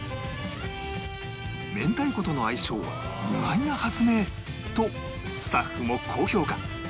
明太子との相性は意外な発明！とスタッフも高評価